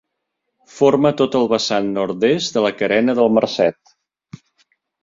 Forma tot el vessant nord-est de la Carena del Marcet.